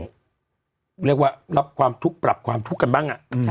เรียกว่ารับความทุกข์ปรับความทุกข์กันบ้าง